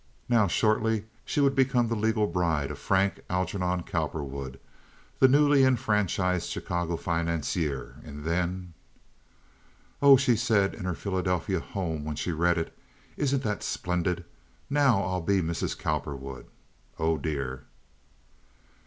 Now, shortly, she would become the legal bride of Frank Algernon Cowperwood, the newly enfranchised Chicago financier, and then— "Oh," she said, in her Philadelphia home, when she read it, "isn't that splendid! Now I'll be Mrs. Cowperwood. Oh, dear!"